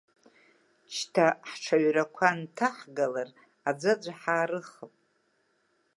Шьҭа ҳҽаҩрақәа нҭаҳгалар, аӡәаӡәа ҳаарыхап.